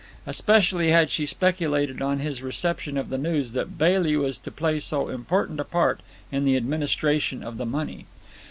Especially had she speculated on his reception of the news that Bailey was to play so important a part in the administration of the money.